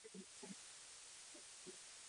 Alifanyiwa kitendo cha kiukatili na hao waliomkamata